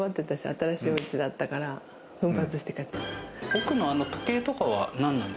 新しいおうちだったから奮発して買った。